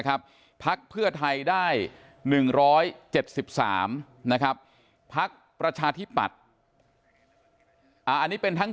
พักเพื่อไทยได้๑๗๓นะครับพักประชาธิปัตย์อันนี้เป็นทั้ง